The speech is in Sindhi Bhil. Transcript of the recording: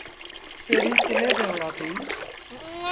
پيريٚݩ ڪلي تي وُهڙآ سيٚݩ۔